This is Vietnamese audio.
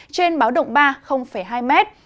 trên báo động ba hai m